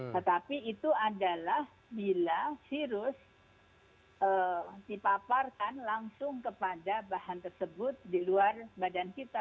tetapi itu adalah bila virus dipaparkan langsung kepada bahan tersebut di luar badan kita